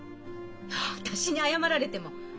私に謝られても。